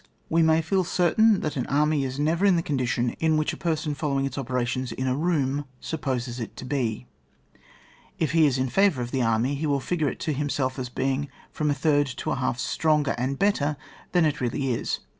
We may feel certain that an army is never in the condition in which a per son following its operations in a room S UMMAR T OF INSTE UCTION, 119 supposeB it to be. If he is in favour of the army, he will figure it to himself as being from a third to a half stronger and better than it really is.